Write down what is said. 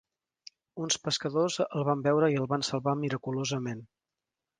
Uns pescadors el van veure i el van salvar miraculosament.